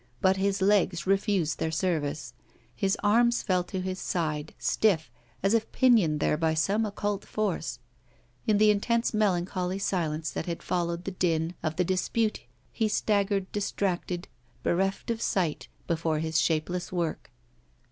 But his legs refused their service; his arms fell to his side, stiff, as if pinioned there by some occult force. In the intense melancholy silence that had followed the din of the dispute he staggered, distracted, bereft of sight before his shapeless work.